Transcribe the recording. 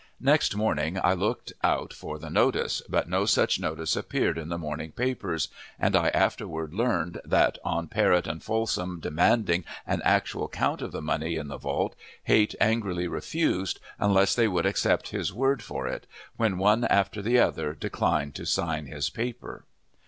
Next morning I looked out for the notice, but no such notice appeared in the morning papers, and I afterward learned that, on Parrott and Folsom demanding an actual count of the money in the vault, Haight angrily refused unless they would accept his word for it, when one after the other declined to sign his paper.